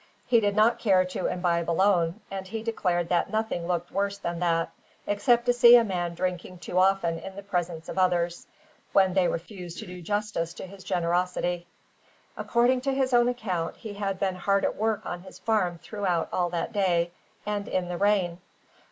He did not care to imbibe alone, and he declared that nothing looked worse than that, except to see a man drinking too often in the presence of others, when they refused to do justice to his generosity. According to his own account, he had been hard at work on his farm throughout all that day, and in the rain.